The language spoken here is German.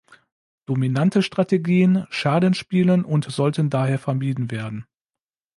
Dominante Strategien schaden Spielen und sollten daher vermieden werden.